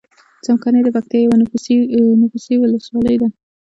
څمکنی دپکتیا یوه نفوسې ولسوالۍ ده.